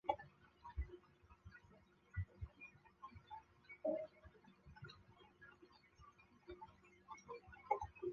美国吉他学院提供从初级到高级程度的个人和团体课程。